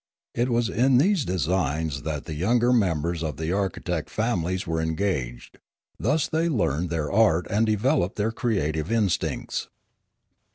It was in these designs that the younger members of the architect families were engaged; thus they learned their art and developed their creative instincts.